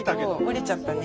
折れちゃったね。